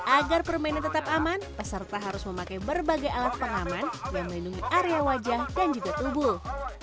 agar permainan tetap aman peserta harus memakai berbagai alat pengaman yang melindungi area wajah dan juga tubuh